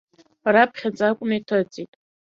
Раԥхьаӡакәны иҭыҵит.